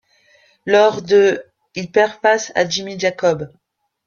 Lors de ', il perd face à Jimmy Jacobs.